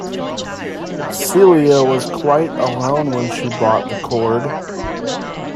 Celia was quite alone when she bought the cord.